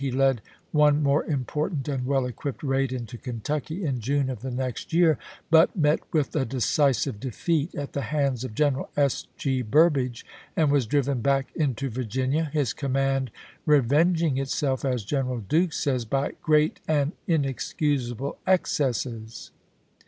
He led one more important and well equipped raid into Kentucky in June of the next year, but met with a decisive defeat at the hands of General S. G. Burbridge, and was driven back into Virginia, his command revenging itself, as General Duke says, by "great and inexcusable excesses."